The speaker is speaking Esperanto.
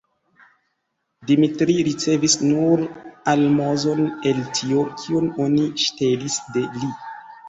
Dimitri ricevis nur almozon el tio, kion oni ŝtelis de li.